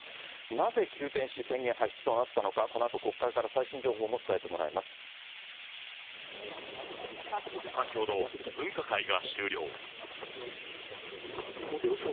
なぜ急転し、宣言発出となったのか、このあと国会から最新情報も伝えてもらい先ほど、分科会が終了。